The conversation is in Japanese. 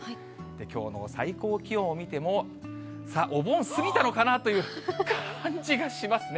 きょうの最高気温を見ても、お盆過ぎたのかなという感じがしますね。